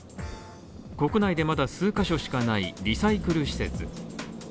国内でまだ数ヶ所しかないリサイクル施設。